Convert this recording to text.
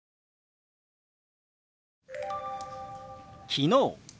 「昨日」。